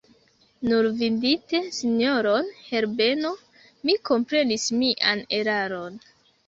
Nur vidinte sinjoron Herbeno, mi komprenis mian eraron.